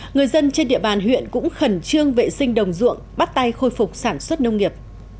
người dân trên địa bàn huyện cũng khẩn trương vệ sinh đồng ruộng bắt tay khôi phục sản xuất nông nghiệp